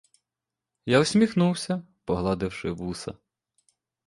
Я всміхнувся, погладивши вуса.